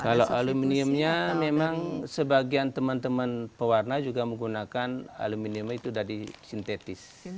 kalau aluminiumnya memang sebagian teman teman pewarna juga menggunakan aluminium itu dari sintetis